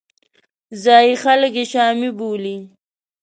ځایي خلک یې شامي بولي.